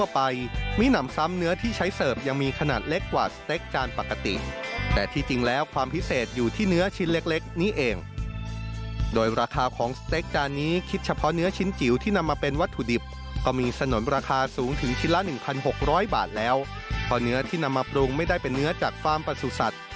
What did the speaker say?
เพราะเนื้อที่นำมาปรุงไม่ได้เป็นเนื้อจากฟาร์มประสุสัตว์